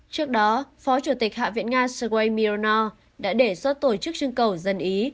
trước đó phó chủ tịch hạ viện nga svaymyrno đã đề xuất tổ chức chương cầu dân ý